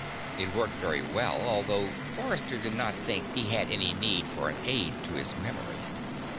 It worked very well, although Forrester did not think he had any need for an aid to his memory.